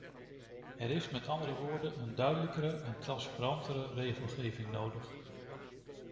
Er is met andere woorden een duidelijkere en transparantere regelgeving nodig.